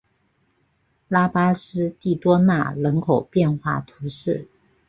拉巴斯蒂多纳人口变化图示